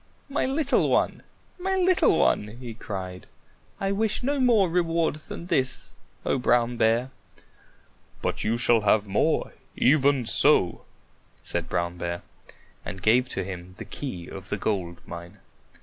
"My little one! My little one!" he cried. "I wish no more reward than this, O Brown Bear." "But you shall have more, even so," said Brown Bear, and gave to him the key of the gold mine.